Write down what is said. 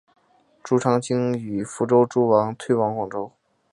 朱常清与福州诸王退往广州。